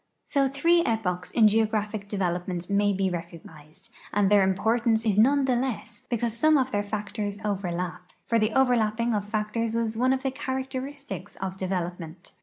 So three epochs in geographic development may be recognized, and their importance is none the less because some of their fac tors overlap— for the overlapping of factors is one of the charac teristics of development.